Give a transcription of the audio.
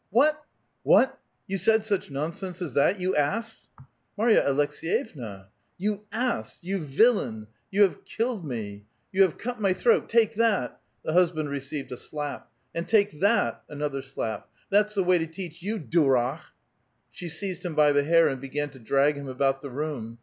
" "What? Wiiat? You said such nonsense as that, you ass ?"^" Marva Aleks6vevna —"" You ass ! you villain ! you have killed me ! you have cut my throat ! Take that !"— The husband received a slap. ''And take that!" Another slap. ''That's the waj to teach you, durak !" She seized him by the hair and began to drag him about the room.